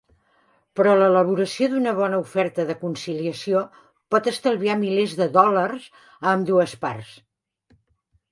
Però l'elaboració d'una bona oferta de conciliació pot estalviar milers de dòlars a ambdues parts.